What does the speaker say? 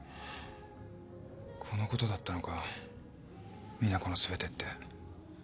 このことだったのか「実那子のすべて」って。